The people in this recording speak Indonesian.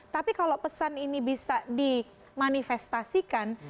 tapi kalau pesan ini bisa dimanifestasikan